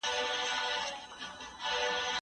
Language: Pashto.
زه به مېوې راټولې کړي وي!.